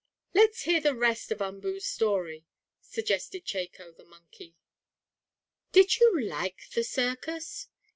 "Let us hear the rest of Umboo's story," suggested Chako, the monkey. "Did you like the circus?"